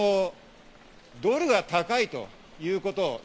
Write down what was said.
ドルが高いということ。